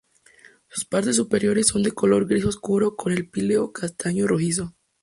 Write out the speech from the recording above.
Sus partes superiores son de color gris oscuro con el píleo castaño rojizo.